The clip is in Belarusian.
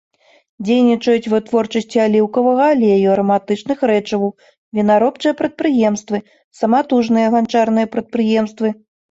Дзейнічаюць вытворчасці аліўкавага алею, араматычных рэчываў, вінаробчыя прадпрыемствы, саматужныя ганчарныя прадпрыемствы.